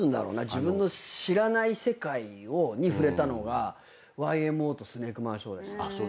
自分の知らない世界に触れたのがＹＭＯとスネークマンショーでした。